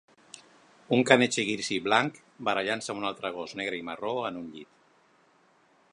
Un caniche gris i blanc barallant-se amb un altre gos negre i marró en un llit